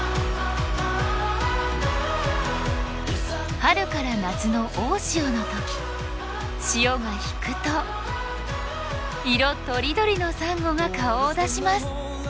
春から夏の大潮の時潮が引くと色とりどりのサンゴが顔を出します。